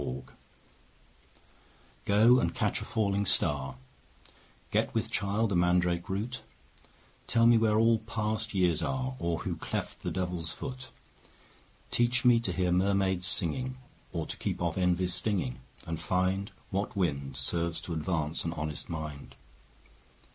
Song GO and catch a falling star, Get with child a mandrake root, Tell me where all past years are, Or who cleft the Devil's foot; Teach me to hear mermaids singing, 5 Or to keep off envy's stinging, And find What wind Serves to advance an honest mind.